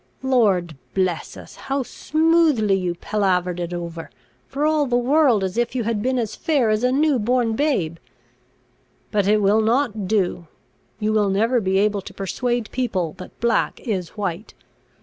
Lord bless us! how smoothly you palavered it over, for all the world, as if you had been as fair as a new born babe! But it will not do; you will never be able to persuade people that black is white.